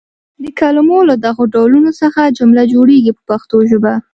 د کلمو له دغو ډولونو څخه جمله جوړیږي په پښتو ژبه.